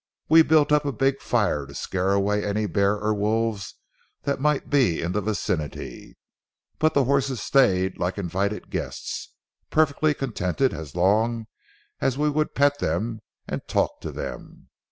We built up a big fire to scare away any bear or wolves that might he in the vicinity, but the horses stayed like invited guests, perfectly contented as long as we would pet them and talk to them.